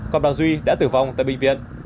còn bà duy đã tử vong tại bệnh viện